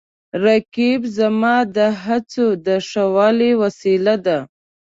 رقیب زما د هڅو د ښه والي وسیله ده